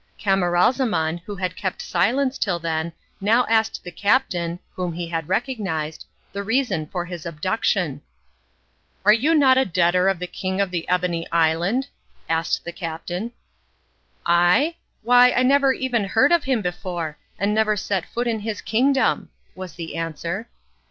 Camaralzaman, who had kept silence till then, now asked the captain (whom he had recognised) the reason for this abduction. "Are you not a debtor of the King of the Ebony Island?" asked the captain. "I? Why, I never even heard of him before, and never set foot in his kingdom!" was the answer.